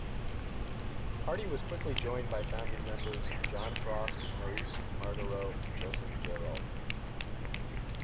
Hardy was quickly joined by founding members John Frost, Maurice Margarot and Joseph Gerrald.